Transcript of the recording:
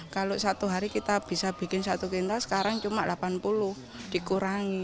kalau satu hari kita bisa bikin satu kintal sekarang cuma delapan puluh dikurangi